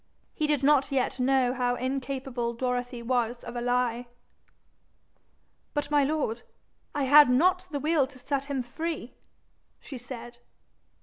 He did not yet know how incapable Dorothy was of a lie. 'But, my lord, I had not the will to set him free,' she said.